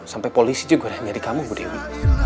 sampai polisi juga udah cari kamu bu dewi